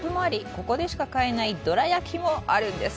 ここでしか買えないどら焼きもあるんです。